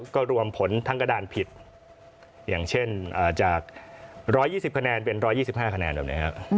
ก็รวมผลทั้งกระดานผิดอย่างเช่นจาก๑๒๐คะแนนเป็น๑๒๕คะแนนแบบนี้ครับ